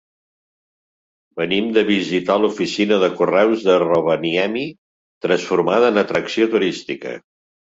Venim de visitar l'oficina de correus de Rovaniemi, transformada en atracció turística.